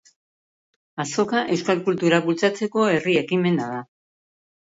Azoka euskal kultura bultzatzeko herri ekimena da.